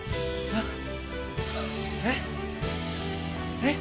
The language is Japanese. えっ？